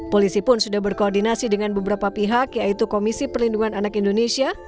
polisi pun sudah berkoordinasi dengan beberapa pihak yaitu komisi perlindungan anak indonesia